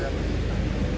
yang untuk apungnya itu